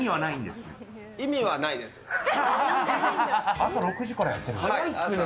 朝６時からやってるんですね。